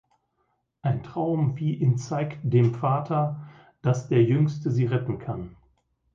Ein Traum wie in zeigt dem Vater, dass der Jüngste sie retten kann.